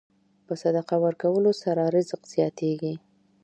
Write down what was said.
په صدقه ورکولو سره رزق زیاتېږي.